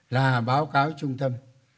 là báo cáo trung tâm